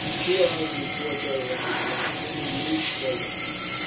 Two hours before daylight the Iceni moved forward.